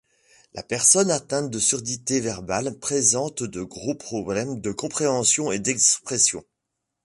La personne atteinte de surdité verbale présente de gros problèmes de compréhension et d'expression.